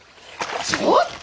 ちょっと！